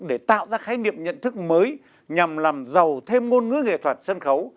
để tạo ra khái niệm nhận thức mới nhằm làm giàu thêm ngôn ngữ nghệ thuật sân khấu